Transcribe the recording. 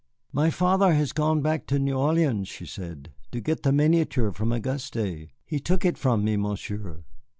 "My father has gone back to New Orleans," she said, "to get the miniature from Auguste. He took it from me, Monsieur."